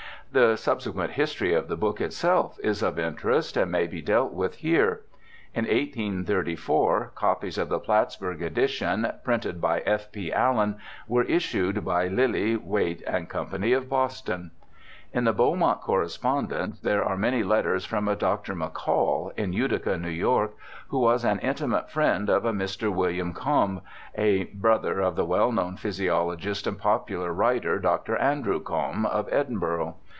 The subsequent history of the book itself is of in terest, and may be dealt with here. In 1834 copies of the Plattsburgh edition, printed by F. P. Allen, were issued by Lilly, Wait & Co., of Boston. In the Beaumont correspondence there are many letters from a Dr. McCall, in Utica, N.Y., who was an intimate friend of a Mr. Wm. Combe, a brother of the well known physiologist and popular writer, Dr. Andrew Combe of Edinburgh.